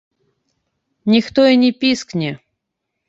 Ніхто і не піскне.